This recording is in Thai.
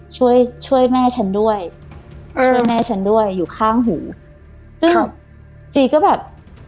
ช่วยช่วยแม่ฉันด้วยช่วยแม่ฉันด้วยอยู่ข้างหูซึ่งจีก็แบบ